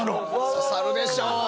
刺さるでしょう。